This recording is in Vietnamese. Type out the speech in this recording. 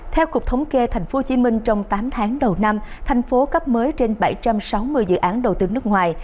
theo cục thống kê tp hcm trong tám tháng đầu năm thành phố cấp mới trên bảy trăm sáu mươi dự án đầu tư nước ngoài